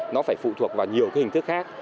nó phải phụ thuộc vào nhiều hình thức khác